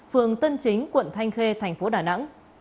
phường tân chính quận thanh khê thành phố đà nẵng